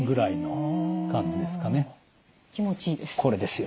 気持ちいいです。